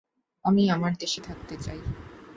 আমি আমার দেশে থাকতে চাই।